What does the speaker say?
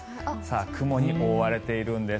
雲に覆われているんです。